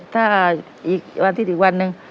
ถ้าอีกวันที่อีกวันนึง